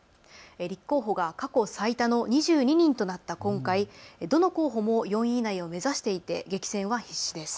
立候補が過去最多の２２人となった今回、どの候補も４位以内を目指していて激戦は必至です。